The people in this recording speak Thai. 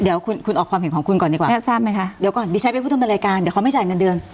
เดี๋ยวคุณออกความเห็นของคุณก่อนดีกว่าดิฉันไปพูดถึงในรายการเดี๋ยวเขาไม่จ่ายเงินเดือน